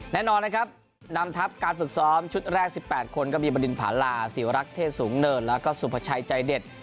แน่นอนนะครับนำทัพการฝึกซ้อมชุดแรก๑๘คนก็มีบดินผาลาศิวรักษ์เทศสูงเนินแล้วก็สุภาชัยใจเด็ด